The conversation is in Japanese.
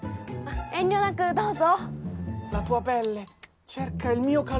遠慮なくどうぞ」